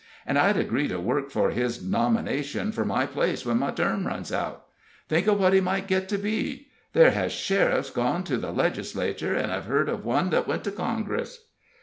And I'd agree to work for his nomination for my place when my term runs out. Think of what he might get to be! there has sheriffs gone to the Legislature, and I've heard of one that went to Congress."